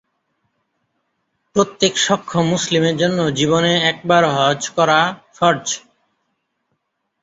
প্রত্যেক সক্ষম মুসলিমের জন্য জীবনে একবার হজ্জ করা ফরজ।